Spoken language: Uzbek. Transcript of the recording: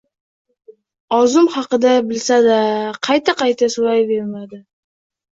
Orzum haqida bilsa-da, qayta-qayta so`rayveradi